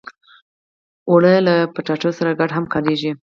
اوړه له کچالو سره ګډ هم کارېږي